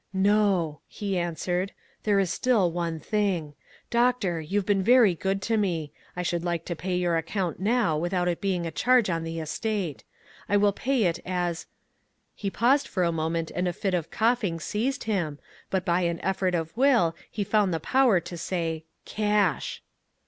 "'No,' he answered, 'there is still one thing. Doctor, you've been very good to me. I should like to pay your account now without it being a charge on the estate. I will pay it as' he paused for a moment and a fit of coughing seized him, but by an effort of will he found the power to say 'cash.'